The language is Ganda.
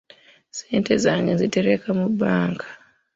Ssente zange nzitereka mu bbanka.